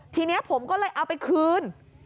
ทีนี้ผมก็เลยเอาไปคืน